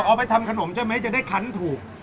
เอาไปทำขนมใช่ไหมจะได้คันถูก